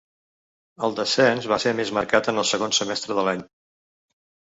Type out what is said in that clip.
El descens va ser més marcat en el segon semestre de l’any.